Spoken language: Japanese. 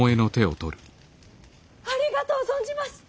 ありがとう存じます！